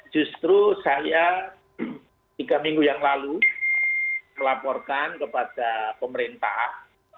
justru saya tiga minggu yang lalu melaporkan kepada pemerintah